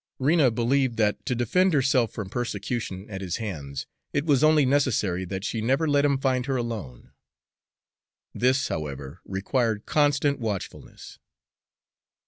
Rena believed that, to defend herself from persecution at his hands, it was only necessary that she never let him find her alone. This, however, required constant watchfulness.